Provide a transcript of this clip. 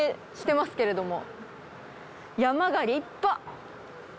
山が立派！